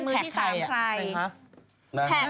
นั่นคือชื่อจริง